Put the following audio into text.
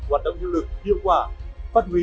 hoạt động nguyên lực hiệu quả phát huy